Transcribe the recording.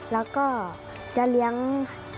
แล้วก็จะเลี้ยงให้สองคน